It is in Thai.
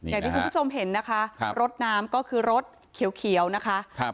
อย่างที่คุณผู้ชมเห็นนะคะรถน้ำก็คือรถเขียวนะคะ